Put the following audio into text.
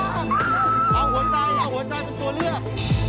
เอาหัวใจเอาหัวใจเป็นตัวเลือก